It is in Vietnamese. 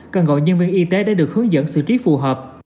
cần gọi nhân viên y tế để được hướng dẫn xử trí phù hợp